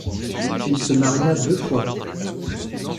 Il se maria deux fois.